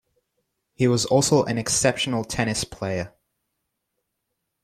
He was also an exceptional tennis player.